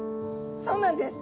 そうなんです。